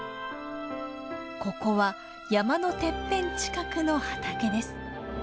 ここは山のてっぺん近くの畑です。